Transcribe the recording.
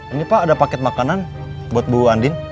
ini pak ada paket makanan buat bu andin